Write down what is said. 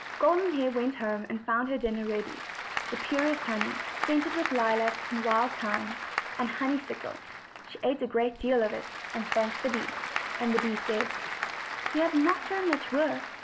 Golden Hair went home and found her dinner ready the purest honey, scented with lilac, and wild thyme, and honeysuckles, and she ate a great deal of it, and thanked the bee. And the bee said: "You have not done much work.